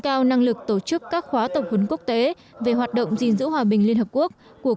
cao năng lực tổ chức các khóa tập huấn quốc tế về hoạt động gìn giữ hòa bình liên hợp quốc của